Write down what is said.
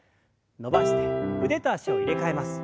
伸ばして腕と脚を入れ替えます。